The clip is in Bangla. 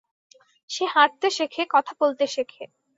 সে হাঁটতে শেখে, কথা বলতে শেখে।